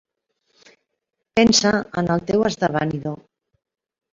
Pensa en el teu esdevenidor.